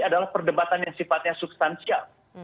adalah perdebatan yang sifatnya substansial